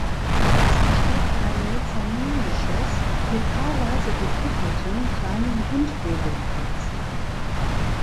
Es besteht ein Mezzaningeschoss mit paarweise gekuppelten kleinen Rundbogenfenstern.